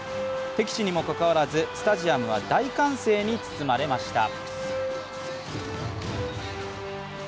敵地にもかかわらずスタジアムは大歓声に包まれました。